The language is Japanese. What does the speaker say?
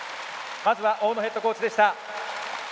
まずは大野ヘッドコーチでした。